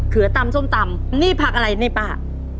ือตำส้มตำนี่ผักอะไรนี่ป้า